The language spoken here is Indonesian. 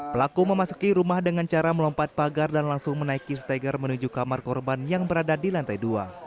pelaku memasuki rumah dengan cara melompat pagar dan langsung menaiki stegar menuju kamar korban yang berada di lantai dua